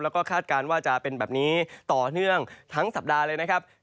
แล้วก็คาดการณ์ว่าจะเป็นแบบนี้ต่อเนื่องทั้งสัปดาห์เลยนะครับ